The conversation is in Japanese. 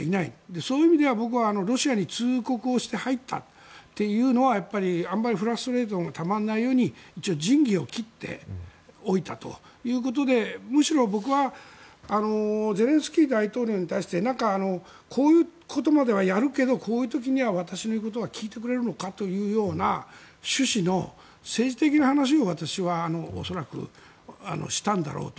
そういう意味では僕はロシアに通告をして入ったというのはやっぱりフラストレーションがたまらないように一応、仁義を切っておいたということでむしろ僕はゼレンスキー大統領に対してこういうことまではやるけどこういう時には私の言うことは聞いてくれるのかというような趣旨の政治的な話を私は、恐らくしたんだろうと。